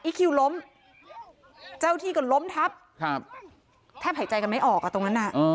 คิวล้มเจ้าที่ก็ล้มทับแทบหายใจกันไม่ออกตรงนั้น